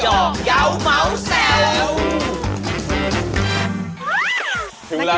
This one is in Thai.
ยอบเยาว์เมาแทยว